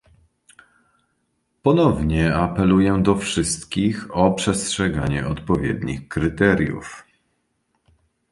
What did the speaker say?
Ponownie apeluję do wszystkich o przestrzeganie odpowiednich kryteriów